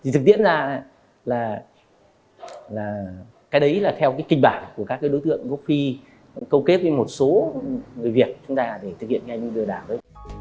thực tiễn ra là cái đấy là theo kinh bản của các đối tượng gốc phi câu kết với một số người việt chúng ta để thực hiện lừa đảo đấy